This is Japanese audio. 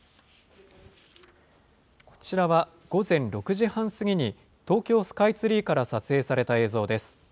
こちらは午前６時半過ぎに東京スカイツリーから撮影された映像です。